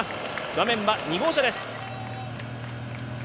画面は２号車です。